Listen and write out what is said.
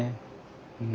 うん。